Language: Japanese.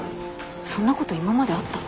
そんなこと今まであった？